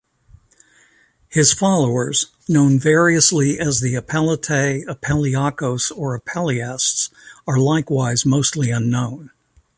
His followers, known variously as the Apellitae, Apelliacos or Apelleasts, are likewise mostly unknown.